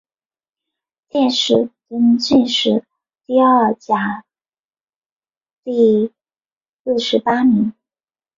殿试登进士第二甲第六十八名。